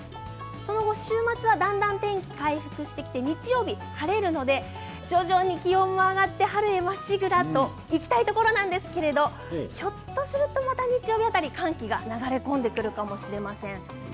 その後、週末はだんだん天気が回復してきて日曜日晴れるので徐々に気温も上がって春まっしぐらといきたいんですけれどもひょっとするとまた日曜日辺り寒気が流れ込んできそうです。